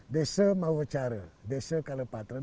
desa mawacara desa kalepatra disesuaikan